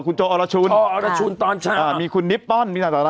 คุณโจอรชูนโจอรชูนตอนเช้าเอ่อมีคุณนิบปอนด์มีนาธารณะ